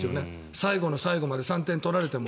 最後の最後まで３点を取られても。